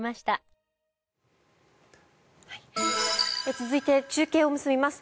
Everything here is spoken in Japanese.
続いて、中継を結びます。